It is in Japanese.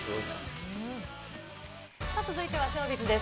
さあ、続いてはショービズです。